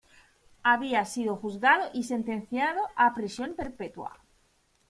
Había sido juzgado y sentenciado a prisión perpetua.